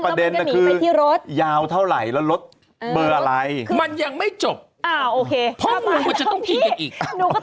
ขึ้นไปที่รถยาวเท่าไหร่แล้วรถเบอร์อะไรมันยังไม่จบข้อมูลมันจะต้องกินกันอีก